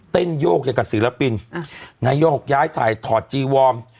โยกอย่างกับศิลปินนายกย้ายถ่ายถอดจีวอร์ม